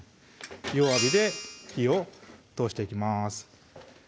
弱火で火を通していきます